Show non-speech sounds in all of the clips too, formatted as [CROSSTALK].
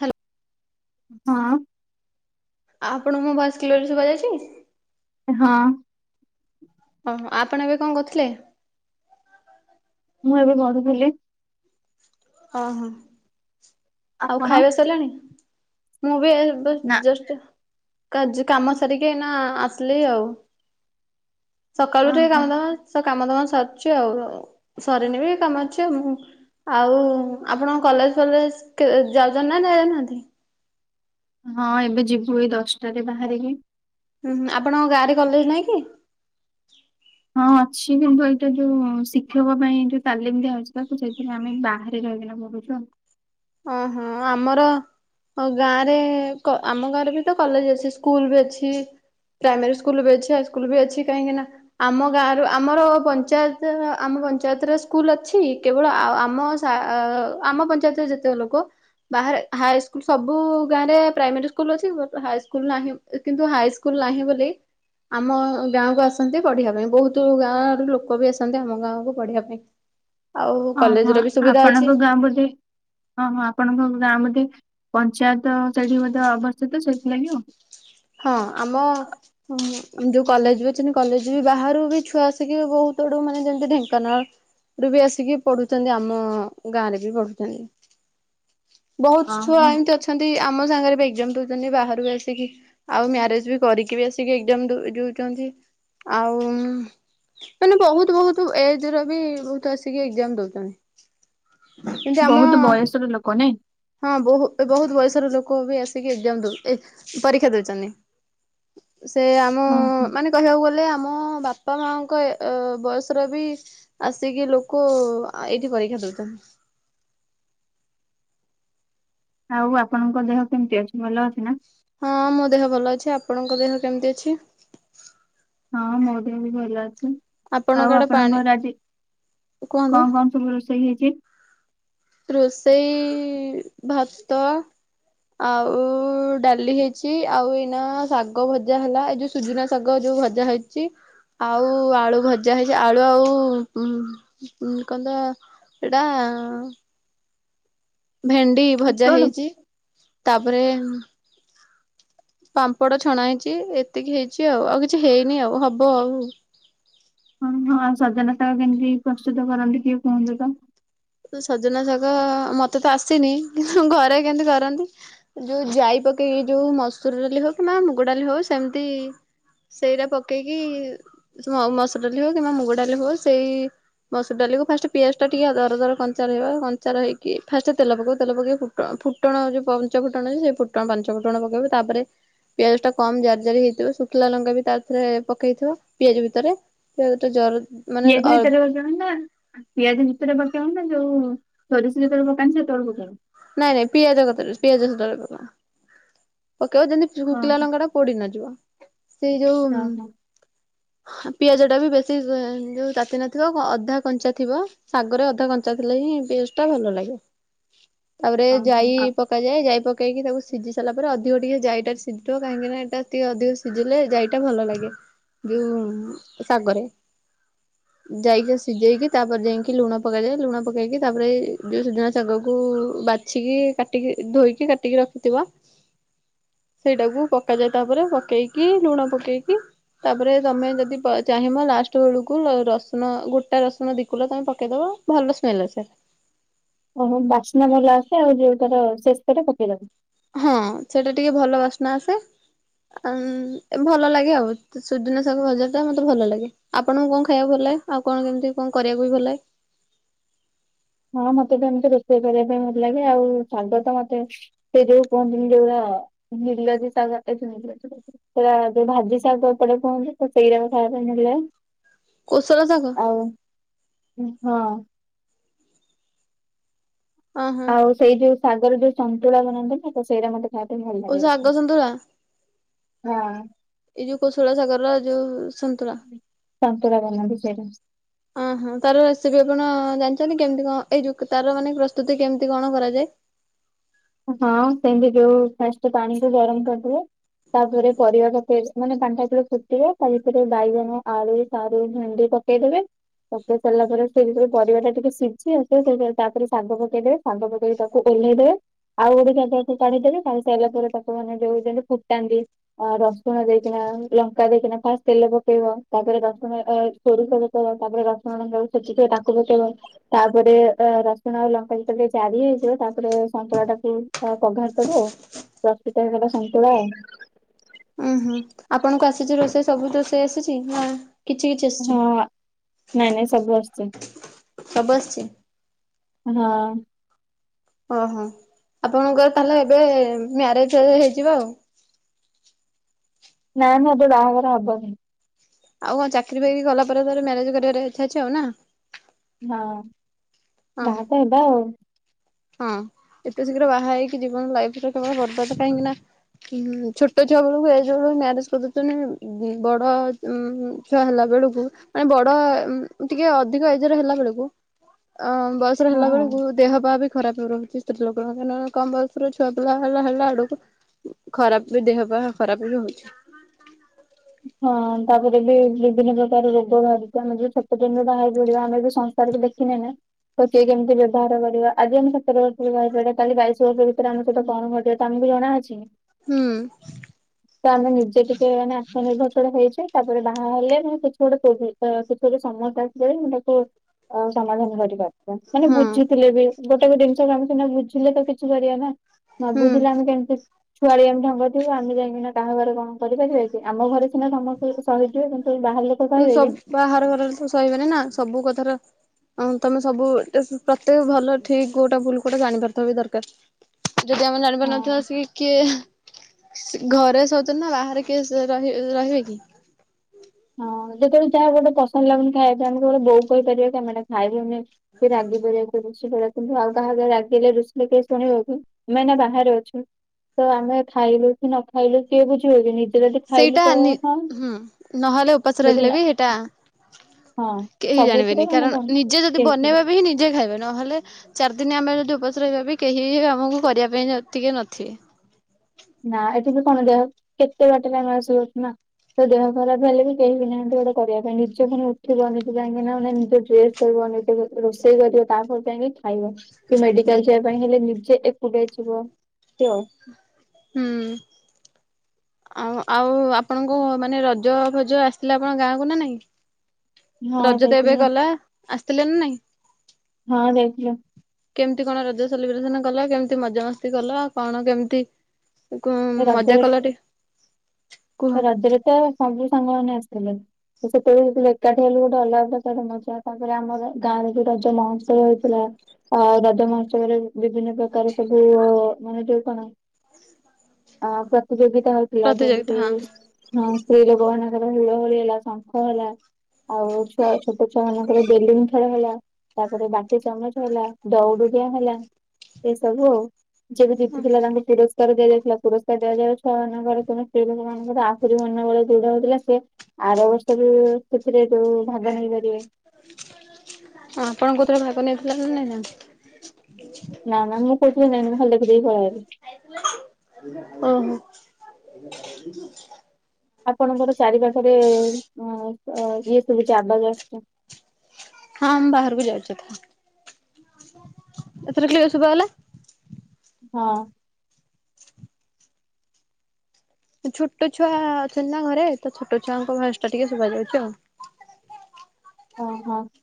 Hello. ହଁ। ଆପଣଙ୍କୁ ମୋ ଭଏସ୍ କ୍ଲିୟର ଶୁଭା ଯାଉଚି? ହଁ। ଓହୋ ଆପଣ ଏବେ କଣ କରୁଥିଲେ? ମୁଁ ଏବେ ଗଡ଼ୁଥିଲି। ଓହୋ ଆଉ ଆପଣ ଖାଇବା ସରିଲାଣି ମୁଁବି ଏବେ ନା ଜଷ୍ଟ କାଜ କାମ ସାରିକି ଏଇନା ଆସିଲି ଆଉ। ସକାଳୁ ହଁ ଉଠିକି ହଁ। କାମ ଦାମ ସ କାମ ଦାମ ସାରିଛି ଆଉ ଆଉ ସରିନିବି କାମ ଅଛି ମୁଁ ଆଉ ଆପଣଙ୍କ କଲେଜ୍ ଫଲେଜେ କେ ଯାଉଛନ୍ତିନା ଯାଉନାହାନ୍ତି? ହଁ ଏବେ ଯିବୁ ଏଇ ଦଶଟାରେ ବାହାରିବି ଉଁ ହୁଁ ଆପଣଙ୍କ ଗାଁରେ କଲେଜ୍ ନାହିଁକି? ହଁ ଅଛି କିନ୍ତୁ ଏଇଟା ଯୋଉ ଶିକ୍ଷକ ପାଇଁ ଯୋଉ ତାଲିମ୍ ଦିଆଯାଉଛି ତାକୁ ସେଇଥିପାଇଁ ଆମେ ବାହା ସେଇଠି ରହିକିନା ପଢ଼ୁଚୁ ଆଉ। ଅଁହଁ ଆମର ଆଉ ଗାଁରେ କ ଆମ ଗାଁରେବି ତକଲେଜ୍ ଅଛି ସ୍କୁଲ୍ ବି ଅଛି। ପ୍ରାଇମାରୀ ସ୍କୁଲବି ଅଛି ହାଇସ୍କୁଲବି ଅଛି କାହିକିନା ଆମ ଗାଁରୁ ଆମର ପଞ୍ଚାୟତ ଆମ ପଞ୍ଚାୟତରେ ସ୍କୁଲ୍ ଅଛି କେବଳ ଆ ଆମ ଆ ଆଉ ଆମ ପଞ୍ଚାୟତରେ ଯେତେକ ଲୋକ ବାହାରେ ହାଇସ୍କୁଲ୍ ସବୁ ଗାଁରେ ପ୍ରାଇମେରୀ ସ୍କୁଲ୍ ଅଛି ହାଇସ୍କୁଲ୍ ନାହିଁ। କିନ୍ତୁ ହାଇସ୍କୁଲ୍ ନାହିଁ ବୋଲି ଆମ ଗାଁକୁ ଆସନ୍ତି ପଢିବା ପାଇଁ ବହୁତ୍ ଗାଁ ଆଡ଼ୁ ଲୋକବି ଆସନ୍ତି ଆମ ଗାଁକୁ ପଢିବା ପାଇଁ। ଆଉ କଲେଜରେ ବିସୁବିଧା ଅଛି। ଆମ ପଟେ ହଁ ହଁ ଆପଣଙ୍କ ଗାଁ ବୋଧେ ପଞ୍ଚାୟତ ସେଠି ମଧ୍ୟ ଅବସ୍ଥିତ ସେଇଥିଲାଗି ଆଉ। ହଁ ଆମ ହଁ ଯୋଉ କଲେଜବି ଅଛନ୍ତି କଲେଜବି ବାହାରୁବି ଛୁଆ ଆସିକି ବହୁତ୍ ଆଡ଼ୁ ମାନେ ଯେମିତି ଢେଙ୍କାନାଳ ଏବେବି ଆସିକି ପଢୁଛନ୍ତି ଆମ ଗାଁରେ ବି ପଢୁଛନ୍ତି। ବହୁତ୍ ଛୁଆ ଓହୋ ଏମିତି ଅଛନ୍ତି ଆମ ସାଙ୍ଗରେବି ଏକ୍ଜାମ୍ ଦଉଛନ୍ତି ବାହାରୁ ଆସିକି। ଆଉ ମ୍ୟାରେଜବି କରିକିବି ଆସିକି ଏକ୍ଜାମ ଦ ଦଉଚନ୍ତି ଆଉ ମାନେ ବହୁତ୍ ବହୁତ୍ ଏଜ୍ ରେବି ବହୁତ୍ ଆସିକି ଏକ୍ଜାମ୍ ଦଉଚନ୍ତି। କିନ୍ତୁ ଆମ ବହୁତ ବୟସର ଲୋକ ନାଇଁ ହଁ ବହୁ ବହୁତ୍ ବୟସର ଲୋକବି ଆସିକି ଏକ୍ଜାମ୍ ଏ ଦଉ ପରୀକ୍ଷା ଦଉଚନ୍ତି। ସେ ଆମ ଓହୋ। ମାନେ କହିବାକୁ ଗଲେ ଆମ ବାପା ମାଆଙ୍କ ଅ ବୟସର ବି ଆସିକି ଲୋକ ଆ ଏଇଠି ପରୀକ୍ଷା ଦଉଚନ୍ତି। ଆଉ ଆପଣଙ୍କ ଦେହ କେମିତି ଅଛି ଭଲ ଅଛି ନା? ହଁ ମୋଦେହ ଭଲ ଅଛି ଆପଣଙ୍କ ଦେହ କେମିତି ଅଛି? ହଁ ମୋ ଦେହବି ଭଲ ଅଛି। ଆପଣଙ୍କ ଆଉ ଆଡେ ପାଣି ଆପଣଙ୍କର ଆଜି କୁହନ୍ତୁ। କଣ କଣ ସବୁ ରୋଷେଇ ହେଇଚି? ରୋଷେଇ ଭାତ ଆଉ ଡାଲି ହେଇଛି ଆଉ ଏଇନା ଶାଗ ଭଜା ହେଲା ଏ ଯୋଉ ସୁଯୁନା ଶାଗ ଯୋଉ ଭଜା ହେଇଛି। ଆଉ ଆଳୁ ଭଜା ହେଇଛି ଆଳୁ ଆଉ କନ୍ତ ଏଇଟା ଭେଣ୍ଡି ଭଜା ପୋଟଳ ହେଇଛି ତାପରେ ପାମ୍ପଡ ଛଣା ହେଇଛି ଏତିକି ହେଇଛି ଆଉ ଆଉ କିଛି ହେଇନି ଆଉ ହବ ଆଉ ହଁ ହଁ ସଜନା ଶାଗ କେମିତି ପ୍ରସ୍ତୁତ କରନ୍ତି ଟିକେ କୁହନ୍ତୁ ତ? ସଜନା ଶାଗ ମତେ ତ ଆସିନି ଘରେ କେମିତି କରନ୍ତି ଯୋଉ ଜାଇ ପକେଇକି ଯୋଉ ମସୁର ଡାଲି ହଉ କିମ୍ବା ମୁଗଡାଲି ହଉ ସେମିତି ସେଇରା ପକେଇକି ମସୁର ଡ଼ାଲି ହଉ କିମ୍ବା ମୁଗ ଡ଼ାଲି ହଉ ସେଇ ମସୁର ଡାଲିକୁ ଫାଷ୍ଟ ପିଆଜ ଟା ଟିକେ ଦର ଦର କଞ୍ଚା ରହିବ କଞ୍ଚା ରହିକି ଫାଷ୍ଟ ତେଲ ପକେଇବ ତେଲ ପକେଇ କି ଫୁଟଣ ଫୁଟଣ ଯୋଉ ପଞ୍ଚ ଫୁଟଣ ସେ ଫୁଟ ପଞ୍ଚ ଫୁଟଣ ପକେଇବ ତାପରେ। ପିଆଜ ଟା କମ ଜାରି ଜାରି ହେଇଥିବ ଶୁଖିଲା ଲଙ୍କା ବି ତାଧିଅରେ ପକେଇଥିବ ପିଆଜ ଭିତରେ। ପିଆଜ ଟା ଜର ମାନେ ପିଆଜ ଅ ଭିତରେ ପକେଇ ହୁଅନ୍ତା ପିଆଜ ଭିତରେ ପକେଇ ହୁଅନ୍ତା ସୋରିଷ ଯେତେବେଳେ ପକାନ୍ତି ସେତେବେଳେ ପକେଇବ। ନାଇଁ ନାଇଁ ପିଆଜ କଥା ପିଆଜ ଯେତେବେଳେ ପକାନ୍ତି ପକେଇବ ଯେମିତି ହଁ ଶୁଖିଲା ଲଙ୍କାଟା। ପୋଡିି ନ ଯିବ ସେଇ ହଁ ହଁ ଯୋଉ। ପିଆଜ ଟା ବି ବେଶୀ ଯୋଉ ତାତି ନଥିବ ଅଧା କଞ୍ଚା ଥିବ। ଶାଗରେ ଅଧା କଞ୍ଚା ଥିଲେ ହିଁ ପିଆଜ ଟା ଭଲ ଲାଗେ। ତାପରେ ଜାଇ ହଁ ହଁ। ଯାଏ ଜାଇ ପକେଇ ତାକୁ ସିଝି ସାରିଲା ପରେ ଅଧିକ ଟିକେଏ ଜାଇଟା ସିଝିବ କାହିଁକିନା ଏଇା ଟିକେ ଅଧିକ ସିଝିଲେ ଜାଇଟା ଭଲ ଲାଗେ ଯୋଉ ଶାଗରେ। ଜାଇକି ସିଝେଇକି ତାପରେ ଯାଇଁକି ଲୁଣ ପକାଯାଏ ଲୁଣ ପକାଇକି ତାପରେ ଯେଉଁ ଶୁଯୁନା ଶାଗକୁ ବାଛିକି କାଟିକି ଧୋଇକି କାଟିକି ରଖିଥିବ ସେଇଟାକୁ ପକାଯାଏ ତାପରେ ପକେଇକି ଲୁଣ ପକେଇକି। ତାପରେ ତମେ ଯଦି ଚାହିଁବ ଲାଷ୍ଟ ବେଳକୁ ରସୁଣ ଗୋଟା ରସୁଣ ଦି କୁଲା ତମେ ପକାଇଦେବ। ଭଲ ସ୍ମେଲ ଅସେ। ଓହୋ ବାସ୍ନା ଭଲ ଆସେ ଆଉ ଯୋଉଟାର ଶେଷରେ ପକେଇଦବ। ହଁ ସେଟା ଟିକେ ଭଲ ବାସ୍ନା ଆସେ। ଉଁ ଭଲ ଲାଗେ ଆଉ ସୁଜୁନା ଶାଗ ଭଜାଟା ମତେ ଭଲ ଲାଗେ। ଆପଣଙ୍କୁ କଣ ଖାଇବାକୁ ଭଲ ଲାଗେ। ଆଉ କଣ କେମିତି କଣ କରିବାକୁ ବି ଭଲ ଲାଗେ। ହଁ ମତେ ତ ଏମିତି ରୋଷେଇ କରିବା ପାଇଁ ଭଲ ଲାଗେ। ଆଉ ଶାଗ ତ ମତେ ସେ ଯେଉ କୁହନ୍ତିନି ଯୋ ନିଲଜ ସାଗ ନିଲାଜ ଯୋଉ ଭାଜି ସାଗ ଏପଟେ କୁହନ୍ତୁ ତ ସେଇଟା ଖାଇବାକୁ ଭଲ ଲାଗେ କୋଶଳା ଶାଗ ଆଉ ହଁ। ଅ ହଁ ଆଉ ସେଇ ଯୋଉ ଶାଗର ଯୋଉ ସନ୍ତୁଳା ବନାନ୍ତି ନା ତ ସେଇଟା ମତେ ଖାଇବାକୁ ଭଲ ଓ ଲାଗେ ବେଶୀ। ଶାଗ ସନ୍ତୁଳା। ହଁ। ଏଇ ଯୋଉ କୋଶଳ ସାଗରର ଯୋଉ ସନ୍ତୁଳା ସନ୍ତୁଳା ବନାନ୍ତି ସେଟା। ଓହୋ ତାର ରେସିପି ଆପଣ ଜାଣିଛନ୍ତି କେମିତି କଣ ଏଇ ଯଉ ତାର ମାନେ ପ୍ରସ୍ତୁତି କେମିତି କଣ କରାଯାଏ? ହଁ ସେମିତି ଯୋଉ ଫାଷ୍ଟ ପାଣି କୁ ଗରମ କରିଦେବେ ତାପରେ ପରିବା ପକାଇବେ ମାନେ ପାଣି ଟା ଯେତେବେଳେ ଫୁଟିବ ତା ଭିତରେ ବାଇଗଣ ଆଳୁ ସାରୁ ଭେଣ୍ଡି ପକ୍ ପକାଇଦେବେ ପକେଇ ସାରିଲା ପରେ ସେ ଯୋଉ ପରିବା ଟା ଟିକେ ସିଝି ଆସେ ତାପରେ ଶାଗ ପକେଇଦେବେ ସାଗ ପକେଇ ତାକୁ ଓହ୍ଲାଇ ଦେବେ। ଆଉ ଗୋଟେ ଜାଗା କୁ କାଢ଼ିଦେବେ କାଢ଼ିସରିଲ ପରେ ତାକୁ ମାନେ ଯୋଉ ଯେମିତି ଫୁଟାନ୍ତି ଅ ରସୁଣ ଦେଇକିନା ଲଙ୍କା ଦେଇକିନା ଫାଷ୍ଟ ତେଲ ପକେଇବ ତାପରେ ରସୁଣ ସୋରୁଷ ପକେଇବ ତାପରେ ରସୁଣ ଲଙ୍କା କୁ ଛେଚିକି ତାକୁ ପକେଇବ ତାପରେ ରସୁଣ ଆଉ ଲଙ୍କା ଯେତ ଟିକେ ଜାରି ହେଇଯିବ ତାପରେ ସନ୍ତୁଳା ଟା ପଘାରି ଦବ ରଶି ଟାଇପ୍ ର ସନ୍ତୁଳା ଉଁ ହୁଁ ଆପଣଙ୍କୁ ଆସିଛି ରୋଷେଇ ସବୁ ରୋଷେଇ ଆସିଛି ନା କିଛି କିଛି ଆସିଛି ହଁ ନାଇଁ ନାଇଁ ସବୁ ଆଶୁଚି। ସବୁ ଆସଛି। ହଁ। ଓହୋ ଆପଣଙ୍କର ତାହେଲେ ଏବେ ମ୍ୟାରେଜ ହେଇଯିବ ଆଉ। ନାଁ ନାଁ ଏବେ ବାହାଘର ହବ ନି। ଆଉ କଣ ଚାକିରିବାକିରି କରିଲା ପରେଥରେ ମ୍ୟାରେଜ କରିବ ଇଚ୍ଛା ଅଛି ଆଉ ନା। ହଁ ହଁ ବାହାତ ହେବ ଆଉ। ହଁ ଏତେ ଶୀଘ୍ର ବାହା ହେଇକି ଜୀବନ ଲାଇଫ କେବଳ ବର୍ବାଦ କାହିଁକି ନା ହୁଁ ଛୋଟ ଛୁଆ ବେଳକୁ ଏଜ ବେଳୁ ମ୍ୟାରେଜ କରିଦଉଛନ୍ତି ବଡ଼ ଛୁଆ ହେଲା ବେଳକୁ ମାନେ ବଡ ଟିକେ ଅଧିକ ଏଜରେ ହେଲା ବେଳକୁ ଅ ବୟସରେ ହଁ ହେଲା ବେଳକୁ ଦେହ ପା ବି ଖରାପ ରହୁଛି ସ୍ତ୍ରୀ ଲୋକଙ୍କ କାରଣ କମ ବୟସ ର ଛୁଆ ପିଲା ହେଲା ହେଲା ଆଡକୁ ଖରାପ ବି ଦେହ ବା ଖରାପ ବି ହଉଛି। ହଁ ତାପରେ ବି ବିଭିନ୍ନ ପ୍ରକାର ରୋଗ ଧରିଛି ଆମେ ଯ ସେତେ ଦିନ ବାହାର ପଡିବା ଆମେ ବି ସଂସାରରେ ଦେଖ ଖିନାଇଁ ନା [UNINTELLIGIBLE] କେମିତି ବ୍ୟବହାର କରିବା ଆଜି ଆମେ ସେତର ପ ଭଟା କାଲି ବାଇଶ ବର୍ଷ ଭିତରେ ଆମ ସହିତ କଣ ଘଟିବ ତମକୁ ଜଣା ଅଛି? ହୁଁ। ତ ଆମେ ନିଜେ ଟିକେ ନା ନିର୍ଭଛ ହେଇଛି ତାପରେ ବାହା ହେଲେ ମୁଁ କିଛି ଗୋଟେ କୋଧି ତ କିଛି ଗୋଟେ ସମସ୍ତ ଆସିଲଳେ ମୁଁ ତାକୁ ଅ ସମାଧାନ କରିବା। ମାନେ ହଁ ବୁଝିଥିଲେ ବି ଗୋଟେ ଗୋଟ ଜିନିଷ କାମ ସିନା ବୁଝିଲେ ତ କିଛି କରିବା ନା। ନ ହୁଁ ବୁଝିଲେ ଆମେ କେମିତି ଛୁଆଲିଆମେ ଢଙ୍ଗ ଯିବ ଆମେ ଯାଇକି ନା କାହା ଘରେ କଣ କରିପାରିବା କି ଆମ ଘରେ ସ ସମସ୍ତେ ସହିଯିବେ କିନ୍ତୁ ବାହାର ଲୋକ କହିବେ କି। ବାହାରଘରରେ ତ ସହହିବାନି ନା ସବୁ କଥାର ହଁ ତମେ ସବୁ ପ୍ରତ୍ୟେକ ଭଲ ଠିକ କୋଉଟା ଭୁଲ କୋଉଟେ ଜାଣିପାରଥ ବି ଦରକାର। ଯଦି ଆମେ ଜାଣିପାରୁନଥିବା ହଁ ଆସିକି କିଏ ଘରେ ସଉଛନ୍ତି ନା ବାହାରେ କିଏ ସେ ରହି ରହିବେ କି? ହଁ ଯେତେବେଳେ ଯାହା ଗୋଟେ ପସନ୍ଦ ଲାଗୁନି ଖାଇବା ପାଇଁ ଆମେ ଗୋଟେ ବୋଉ କହିପାରିବା କେ ଆମେଟା ଖାଇବୁନି। [UNINTELLIGIBLE] କିନ୍ତୁ ଆଉ କାହାଗରେ ରାଗିଲେ ରୁଷିଲେ କେ ଶୁଣିବ କି? ଆମେ ନା ବାହାରେ ଅଛୁ। ତ ଆମେ ଖାଇଲୁ କି ନ ଖାଇଲୁ କିଏ ବୁଝିବନି ନିଜେ ଯଦି ଖାଇଲୁ ସେଇଟା ତ ହଁ ହୁଁ ନହେଲେ ଉପାସ ଯଦି ରହିଲେ ନା ବି ସେଇଟା ହଁ କେହି ସବୁଥିରେ ଜାଣିବେନି ମାନେ କାରଣ ନିଜେ କଣ ଯଦି କେହି ବନେଇବେ ବି ହିଁ ନିଜେ ଖାଇବେ ନହେଲେ ଚାରି ଦିନ ଆମେ ଯଦି ଉପାଶ୍ର ହେ ବି କେହି ଆମକୁ କରିବା ପାଇଁ ଟିକେ ନଥିବେ। ନା ଏଠି ବି କଣ ଦେହ କେତେ ବାଟେ ଟାଇମେ ଆସିବଛି ନା। ତ ଦେହ ଖରାପ ହେଲେ ବି କେହି ବି ନାହାନ୍ତି ଗୋଟେ କରିବା ପାଇଁ ନିଜ ପୁଣି ଉଠିବନି କାଇଁକି ନାନେ ନିଜ ଡ୍ରେସ ବ ରୋଷେଇ କରିବ ତାପରେ ଯାଇକି ଖାଇବ। କି ମେଡିକାଲ ଯିବା ପାଇଁ ହେଲେ ନିଜେ ଏକୁଟିଆ ଯିବ ସେଅ। ହୁଁ। ଆଉ ଆଉ ଆପଣଙ୍କ ମାନେ ରଜ ଭଜ ଆସିଥିଲା ଆପଣ ଗାଁକୁ ନା ନାଇଁ। ହଁ ରଜତ ଏବେ ଯାଇଥିଲୁ ନା ଗଲା ଆସିଥିଲେନ ନାଇଁ। ହଁ ଦେଇଥିଲୁ। କେମିତି କଣ ରଜ ସେଲିବ୍ରେସନ କଲ କେମିତି ମଜାମସ୍ତି କଲ କଣ କେମିତି? ମଜା ରଜରେ କଲା ଟେ ରଜରେ ତ ସବୁ ସାଙ୍ଗ ମାନେ ଆସିଥିଲେ। ସେତେବେଳେ ଏକାଠି ହେଲୁ ଗୋଟେ ଅଲଗା ଅଲଗା ପ୍ରକାର ମଜା ତାପରେ ଆମର ଗାଁରେ ଯୋଉ ରଜ ମହୋଶ୍ଚବ ହେଇଥିଲା। ଆଉ ରଜ ମହୋତ୍ସବରେ ବିଭିନ୍ନ ପ୍ରକାର ସବୁ ମାନେ ଯୋଉ କଣ ଅ ପ୍ରତିଯୋଗିତା ହଉଥିଲା ଯେନ୍ତି ପ୍ରତିଯୋଗିତା ହଁ। ହଁ ସ୍ତ୍ରୀ ଲୋକ ମାନଙ୍କର ହୁଳହୁଳି ହେଲା ଶଙ୍ଖ ହେଲା ଆଉ ଛୁଆ ଛୋଟ ଛୁଆ ମାନଙ୍କର ବେଲୁନ୍ ଖେଳ ହେଲା ତାପରେ ବାଟି ଚାମଚ ହେଲା, ଦୌଡି ଡିଆଁ ହେଲା ଏସବୁ ଆଉ। ଯଏବି ଜିତିଥିଲା ତାଙ୍କୁ ପୁରସ୍କାର ଦିଆଯାଇଥିଲା, ପୁରସ୍କାର ଦିଆଯିବାରୁ ଛୁଆ ମାନଙ୍କ ଘରେ [UNINTELLIGIBLE] ସ୍ତ୍ରୀ ଲୋକ ମାନଙ୍କର ଆହୁରି ମନବଳ ଦୃଢ଼ ହୋଇଥିଲା ସିଏ ଆର ବର୍ଷ ରୁ ସେଥିରେ ଯୋଉ ଭାଗ ନେଇପାରିବେ। ଆପଣ କେଉଥିରେ ଭାଗ ନେଇଥିଲେ ନା ନେଇନାହାନ୍ତି? ନା-ନା ମୁଁ କୋଉଥିରେ ନେଇନି, ମୁଁ ଖାଲି ଦେଖିଦେଇକି ପଳେଇ ଆଇଲି। ଓହୋ। [INAUDIBLE] ଆପଣଙ୍କର ଚାରି ପାଖରେ ଅ ଇଏ ସଭୁଛି ଆବାଜ୍ ଆସୁଚି। ହଁ ମୁଁ ବାହାରକୁ ଯାଉଛି [UNINTELLIGIBLE] ଏଥର କ୍ଲିୟର୍ ଶୁଭା ଗଲା? ହଁ। ଛୋଟ ଛୁଆ ଅଛନ୍ତି ନା ଘରେ, ତ ଛୋଟ ଛୁଆଙ୍କ ଭାଏସ୍ ଟା ଟିକେ ଶୁଭା ଯାଉଚି ଆଉ। [UNINTELLIGIBLE]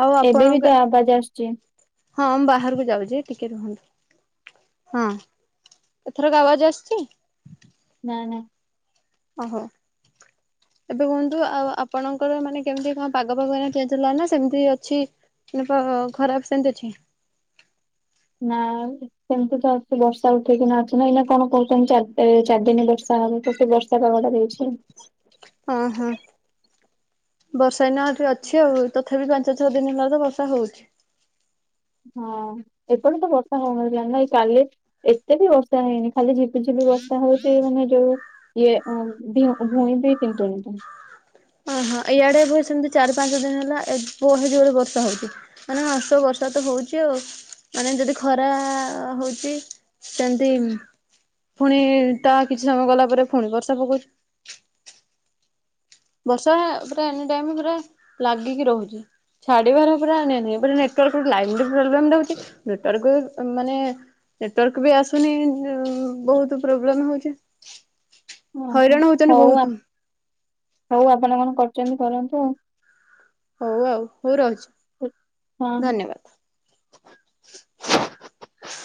ଆଉ ଏବେ ବି ଆପଣଙ୍କ, ତ ଆବାଜ ଆସୁଛି ହଁ ମୁଁ ବାହାରକୁ ଯାଉଚି ଟିକେ ରୁହନ୍ତୁ। ହଁ ଏଥରକ ଅୱାଜ୍ ଆସୁଚି। ନା-ନା। ଓହୋ। ଏବେ କୁହନ୍ତୁ ଆଉ ଆପଣଙ୍କର ମାନେ କେମ୍ତି କଣ ପାଗ ଫାଗ ଏଇନା ଚେଞ୍ଜ ହେଲା ନା ସେମ୍ତି ଅଛି? ନା ପ ଖରାମ୍ ସେମ୍ତି ଅଛି। ନାଁ। ସେମ୍ତି ତ ଆସି ବର୍ଷା ଉଠେଇକିନା ଅଛି ନା ଏଇନା କଣ କହୁଛନ୍ତି ଚାରଦିନ୍ ବର୍ଷା ହବ, ତ ସେ ବର୍ଷା ପାଗଟା ଦେଇଛି। ହଁ-ହଁ। ବର୍ଷା ଏଇନା ଏଠି ଅଛି ଆଉ, ତଥାପି ପାଞ୍ଚ ଛଅ ଦିନ ହେଲା ତ ବର୍ଷା ହଉଛି। ହଁ ଏପଟେ ତ ବର୍ଷା କଣ [UNINTELLIGIBLE] ଏଇ କାଲି ଏତେ ବି ବର୍ଷା ହେଇନି ଖାଲି ଝିପ୍ କିଛି ବି ବର୍ଷା ହଉଚି ମାନେ ଯୋଉ ଇଏ ଭୁଇଁ ବି ତିନ୍ତୁଣି। ଓହୋ ଇଆଡେ ବା ସେମ୍ତି ଚାରି ପାଞ୍ଚ ଦିନ ହେଲା ଏ ବହେ ଜୋରେ ବର୍ଷା ହଉଚି। ମାନେ ନନ୍ ଷ୍ଟପ ବର୍ଷା ତ ହଉଚି ଆଉ, ମାନେ ଯଦି ଖରା ହଉଚି ସେମ୍ତି ଫୁଣି ତା କିଛି ସମୟ ଗଲା ପରେ ଫୁଣି ବର୍ଷା ପକଉଚି। ବର୍ଷା ପୁରା ଏନି ଟାଇମ୍ ପୁରା ଲାଗିକି ରହୁଚି। ଛାଡ଼ିବାର ପୁରା ନେ ନି ଏପଟେ ପୁରା ନେଟୱାର୍କରୁୁ ଲାଇନ୍ ବି ପ୍ରୋବ୍ଲେମ୍ ରହୁଚି। ନେଟୱର୍କ ମାନେ ନେଟୱାର୍କ ବି ଆସୁନି ବହୁତୁ ପ୍ରୋବ୍ଲେମ୍ ହଉଚି। ହଉ ଆପ୍ ଆପଣ କଣ କରୁଚନ୍ତି କରନ୍ତୁ ଆଉ। ହଉ ଆଉ, ହଉ ରହୁଚି ହଁ ହଁ। ଧନ୍ୟବାଦ୍।